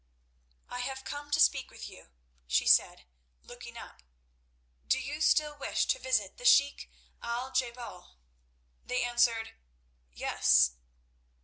"I have come to speak with you," she said, looking up. "Do you still wish to visit the Sheik Al je bal?" They answered "Yes."